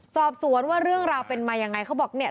สอบสวนว่าเรื่องราวเป็นมายังไงเขาบอกเนี่ย